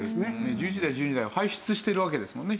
１１代１２代を輩出してるわけですもんね